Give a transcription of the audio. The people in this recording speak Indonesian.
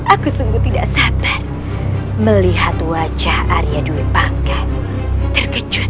aku sungguh tidak sabar melihat wajah arya dulu pangka terkejut